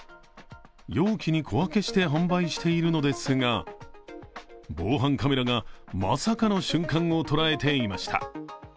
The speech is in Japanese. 容器に小分けして販売しているのですが、防犯カメラが、まさかの瞬間を捉えていました。